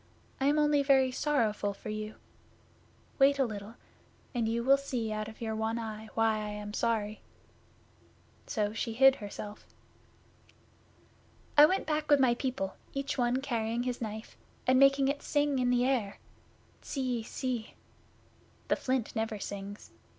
I am only very sorrowful for you. Wait a little, and you will see out of your one eye why I am sorry." So she hid herself. 'I went back with my people, each one carrying his Knife, and making it sing in the air tssee sssse. The Flint never sings.